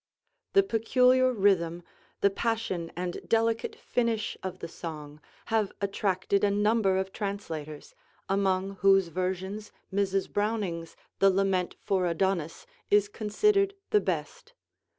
The peculiar rhythm, the passion and delicate finish of the song, have attracted a number of translators, among whose versions Mrs. Browning's 'The Lament for Adonis' is considered the best.